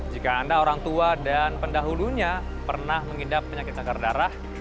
jika anda orang tua dan pendahulunya pernah mengidap penyakit kanker darah